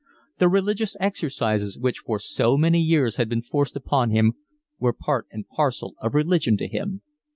The religious exercises which for so many years had been forced upon him were part and parcel of religion to him.